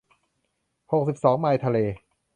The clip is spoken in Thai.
หกสิบสองไมล์ทะเล